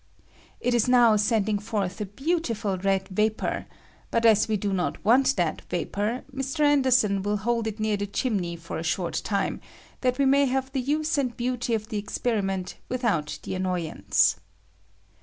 It is now sending forth a beautiful red vapor ; but as we do not want that vapor, Mr. Anderson will hold it near the chimney for a short time, that we may have the use and beauty of the experiment without the annoy ance.